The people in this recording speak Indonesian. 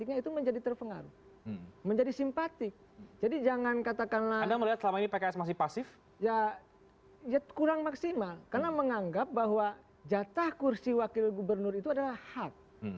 kurang maksimal karena menganggap bahwa jatah kursi wakil gubernur itu adalah hak